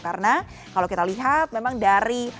karena kalau kita lihat memang dari